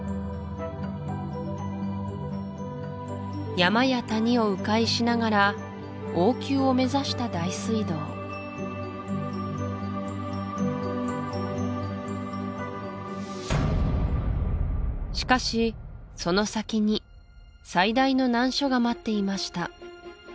山や谷を迂回しながら王宮を目指した大水道しかしその先に最大の難所が待っていました